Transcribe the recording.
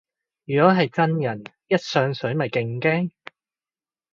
如果係真人一上水咪勁驚